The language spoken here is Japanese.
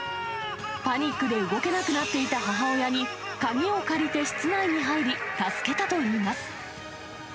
パニックで動けなくなっていた母親に鍵を借りて室内に入り、助けたといいます。